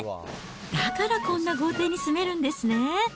だからこんな豪邸に住めるんですね。